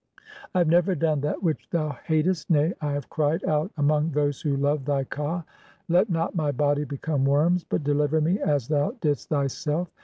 I have never done that which thou "hatest, nay, I have cried out among those who love (6) thy u Ka. Let not my body become worms, but deliver me as thou "didst thyself.